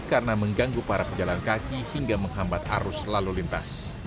karena mengganggu para kejalan kaki hingga menghambat arus lalu lintas